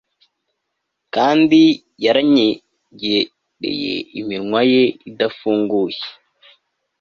Kandi yaranyegereye iminwa ye idafunguye